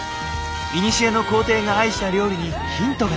古の皇帝が愛した料理にヒントが！